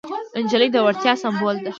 نجلۍ د وړتیاوو سمبول ده.